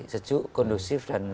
sejuk kondusif dan